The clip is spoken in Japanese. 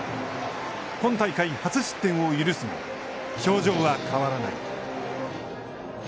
今大会、初失点を許すも表情は変わらない。